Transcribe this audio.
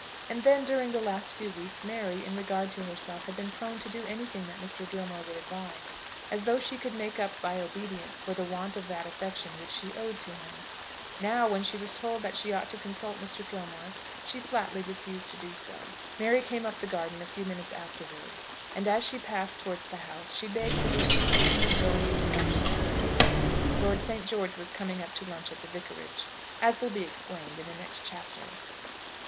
And then, during the last few weeks, Mary, in regard to herself, had been prone to do anything that Mr. Gilmore would advise, as though she could make up by obedience for the want of that affection which she owed to him. Now, when she was told that she ought to consult Mr. Gilmore, she flatly refused to do so. Mary came up the garden a few minutes afterwards, and as she passed towards the house, she begged to be excused from going into lunch that day. Lord St. George was coming up to lunch at the vicarage, as will be explained in the next chapter.